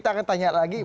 kita akan tanya lagi